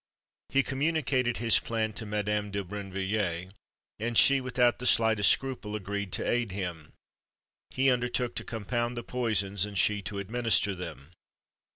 He communicated his plan to Madame de Brinvilliers; and she, without the slightest scruple, agreed to aid him: he undertook to compound the poisons, and she to administer them.